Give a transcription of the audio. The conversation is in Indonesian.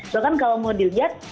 bahkan kalau mau dilihat